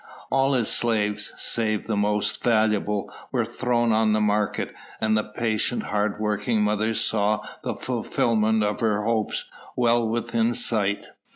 All his slaves save the most valuable were thrown on the market, and the patient, hard working mother saw the fulfilment of her hopes well within sight.